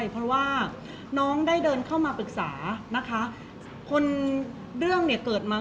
เพราะว่าสิ่งเหล่านี้มันเป็นสิ่งที่ไม่มีพยาน